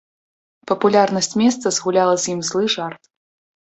Папулярнасць месца згуляла з ім злы жарт.